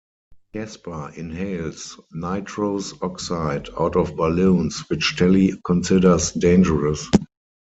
Casper inhales nitrous oxide out of balloons, which Telly considers dangerous.